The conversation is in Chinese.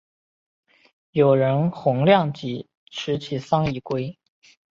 友人洪亮吉持其丧以归。